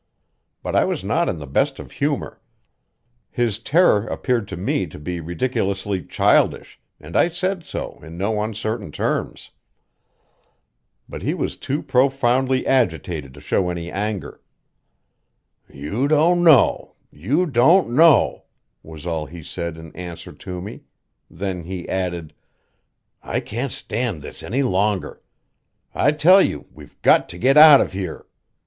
But I was not in the best of humor; his terror appeared to me to be ridiculously childish, and I said so in no uncertain terms. But he was too profoundly agitated to show any anger. "You don't know, you don't know," was all he said in answer to me; then he added; "I can't stand this any longer. I tell you we've got to get out of here.